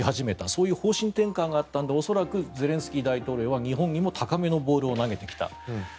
そういう方針転換があったので恐らく、ゼレンスキー大統領は日本にも高めのボールを投げてきた。